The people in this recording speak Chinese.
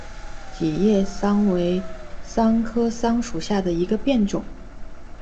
戟叶桑为桑科桑属下的一个变种。